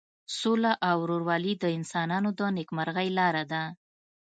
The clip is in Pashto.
سوله او ورورولي د انسانانو د نیکمرغۍ لاره ده.